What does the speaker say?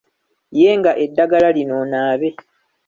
Yenga eddagala lino onaabe.